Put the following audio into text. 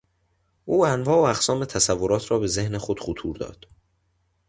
او انواع و اقسام تصورات را به ذهن خود خطور داد.